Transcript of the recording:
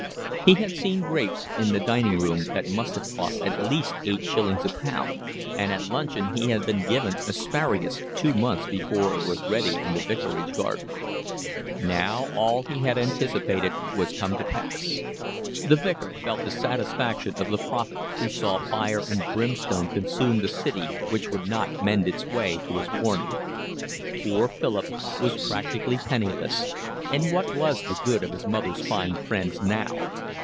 He had seen grapes in the dining room that must have cost at least eight shillings a pound; and at luncheon he had been given asparagus two months before it was ready in the vicarage garden. Now all he had anticipated was come to pass: the Vicar felt the satisfaction of the prophet who saw fire and brimstone consume the city which would not mend its way to his warning. Poor Philip was practically penniless, and what was the good of his mother's fine friends now?